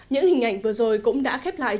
những hình ảnh vừa rồi cũng đã khép lại